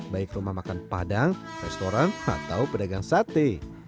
baik rumah makan padang restoran atau pedagang sate